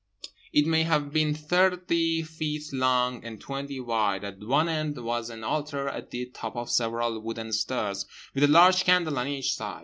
It may have been thirty feet long and twenty wide. At one end was an altar at the top of several wooden stairs, with a large candle on each side.